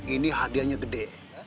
ini hadiahnya gede